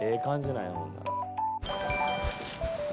なんやほんなら。